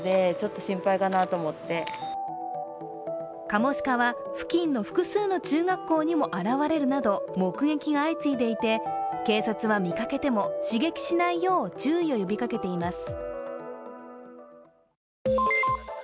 カモシカは付近の複数の中学校にも現れるなど目撃が相次いでいて、警察は見かけても刺激しないよう注意を呼びかけています。